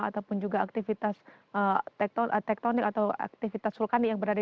ataupun juga aktivitas tektonik atau aktivitas vulkanik yang berada di